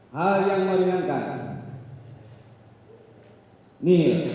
hal yang meringankan